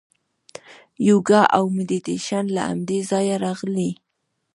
یوګا او میډیټیشن له همدې ځایه راغلي.